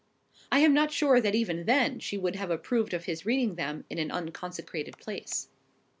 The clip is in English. I am not sure that even then she would have approved of his reading them in an unconsecrated place.